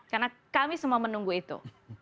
karena kami semua menunggu itu